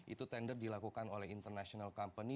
itu tender dilakukan oleh international company